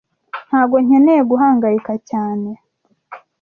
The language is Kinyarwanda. Ntago nkeneye guhangayika cyane